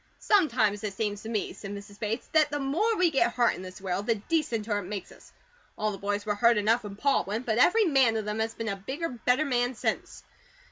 "Sometimes it seems to me," said Mrs. Bates, "that the more we get HURT in this world the decenter it makes us. All the boys were hurt enough when Pa went, but every man of them has been a BIGGER, BETTER man since.